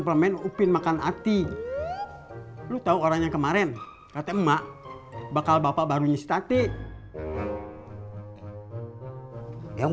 permen upin makan ati lu tahu orangnya kemarin kata emak bakal bapak baru nyistatik yang